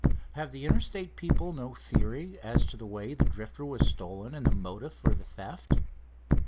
Have the Interstate people no theory as to the way the Drifter was stolen, and the motive for the theft?"